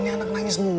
dia untuk menangis